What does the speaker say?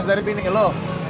sms dari bini lu